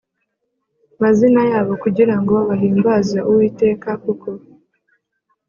mazina yabo kugira ngo bahimbaze Uwiteka kuko